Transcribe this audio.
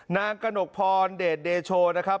นางกระหนกพรเดชเดโชนะครับ